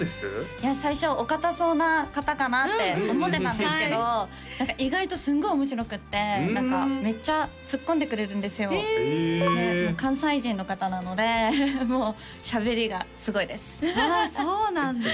いや最初お堅そうな方かなって思ってたんですけど何か意外とすんごい面白くって何かめっちゃツッコんでくれるんですよで関西人の方なのでもうしゃべりがすごいですああそうなんですね